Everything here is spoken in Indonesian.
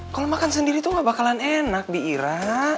kalo makan sendiri tuh gak bakalan enak bi ira